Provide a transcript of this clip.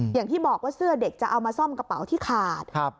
อย่างที่บอกว่าเสื้อเด็กจะเอามาซ่อมกระเป๋าที่ขาด